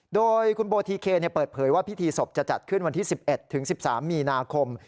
โดยคุณโบทีเคเปิดเผยว่าพิธีศพจะจัดขึ้นวันที่๑๑ถึง๑๓มีนาคม